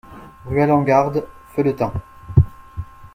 Rue Alengarde, Felletin